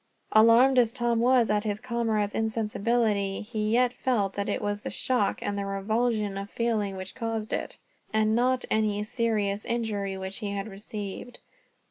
Alarmed as Tom was at his comrade's insensibility, he yet felt that it was the shock, and the revulsion of feeling which caused it, and not any serious injury which he had received.